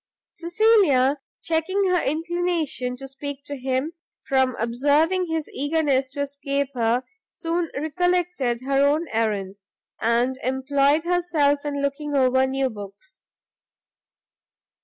Cecilia checking her inclination to speak to him, from observing his eagerness to escape her, soon recollected her own errand, and employed herself in looking over new books.